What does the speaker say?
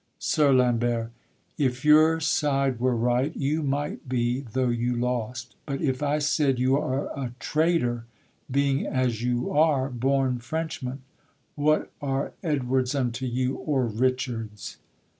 SIR LAMBERT. If your side were right, You might be, though you lost; but if I said, 'You are a traitor, being, as you are, Born Frenchman.' What are Edwards unto you, Or Richards?